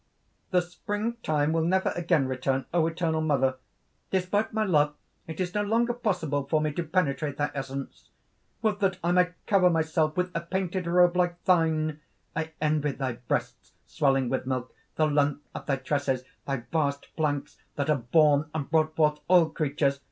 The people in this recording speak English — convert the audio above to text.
"The springtime will never again return, O eternal Mother! Despite my love, it is no longer possible for me to penetrate thy essence! Would that I might cover myself with a painted robe like thine! I envy thy breasts, swelling with milk, the length of thy tresses, thy vast flanks that have borne and brought forth all creatures!